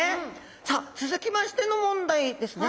さあ続きましての問題ですね。